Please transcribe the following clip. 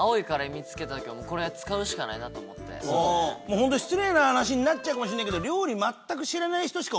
本当に失礼な話になっちゃうかもしんないけど。